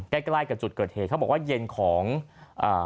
ใกล้ใกล้กับจุดเกิดเหตุเขาบอกว่าเย็นของอ่า